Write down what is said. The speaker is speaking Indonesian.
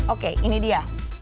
oke ini dia